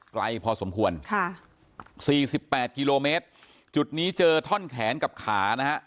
ไกลพอสมควรค่ะสี่สิบแปดกิโลเมตรจุดนี้เจอท่อนแขนกับขานะฮะ